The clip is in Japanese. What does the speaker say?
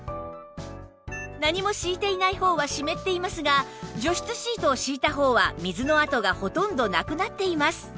何も敷いていない方は湿っていますが除湿シートを敷いた方は水の跡がほとんどなくなっています